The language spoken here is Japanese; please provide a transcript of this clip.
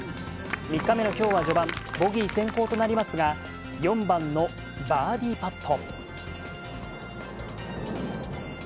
３日目のきょうは序盤、ボギー先行となりますが、４番のバーディーパット。